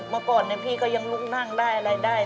เมื่อก่อนพี่ก็ยังลุกนั่งได้อะไรได้